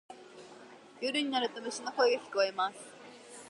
夜になると虫の声が聞こえます。